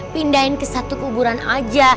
pindahin ke satu kuburan aja